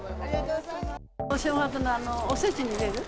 お正月のおせちに入れる。